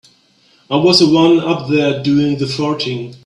I was the one up there doing the farting.